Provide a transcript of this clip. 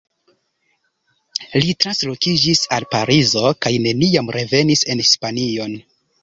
Li translokiĝis al Parizo, kaj neniam revenis en Hispanion.